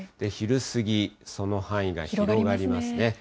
昼過ぎ、その範囲が広がりますね。